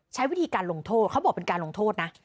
ใช้วิธีการลงโทษเขาบอกเป็นการลงโทษนะ